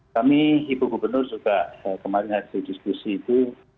kami ibu gubernur juga kemarin hasil diskusi itu